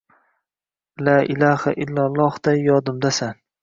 La ilaha illallohday yodimdasan